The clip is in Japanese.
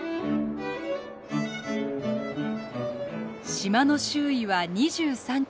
島の周囲は２３キロ。